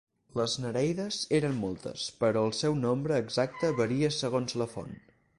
Les nereides eren moltes, però el seu nombre exacte varia segons la font.